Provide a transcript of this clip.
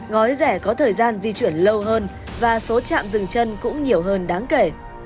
gói rẻ có thời gian di chuyển lâu hơn và số chạm dừng chân cũng nhiều hơn đáng kể